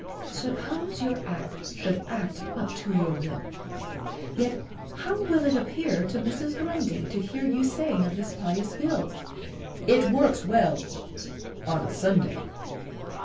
Suppose your Act should act up to your will, Yet how will it appear to Mrs. Grundy, To hear you saying of this pious bill, "It works well on a Sunday!"